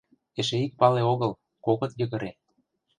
Эше ик пале огыл — кокыт йыгыре.